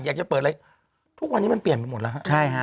ยังจะเปิดอะไรทุกวันนี้เปลี่ยนไปหมดแล้วครับ